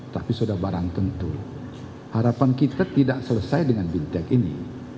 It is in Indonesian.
tapi sudah barang tentu harapan kita tidak selesai dengan bintak ini